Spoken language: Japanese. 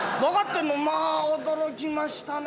まあ驚きましたね。